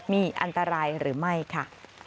มีอันตรายหรือไม่ค่ะ